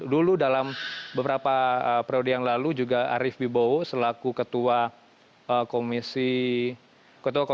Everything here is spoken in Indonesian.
dulu dalam beberapa periode yang lalu juga arief bibowo selaku ketua